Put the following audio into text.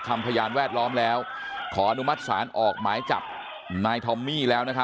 พยานแวดล้อมแล้วขออนุมัติศาลออกหมายจับนายทอมมี่แล้ว